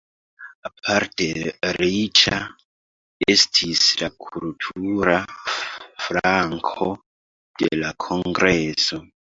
Aparte riĉa estis la kultura flanko de la kongreso.